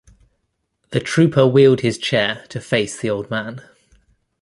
The trooper wheeled his chair to face the old man.